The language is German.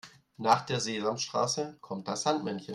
Nach der Sesamstraße kommt das Sandmännchen.